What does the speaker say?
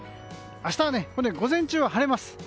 明日は午前中は晴れます。